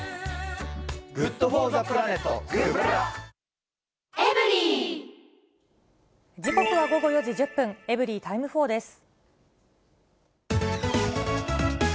三井不動産時刻は午後４時１０分、エブリィタイム４です。